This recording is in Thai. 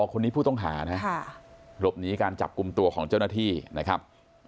คนนี้ผู้ต้องหานะหลบหนีการจับกลุ่มตัวของเจ้าหน้าที่นะครับ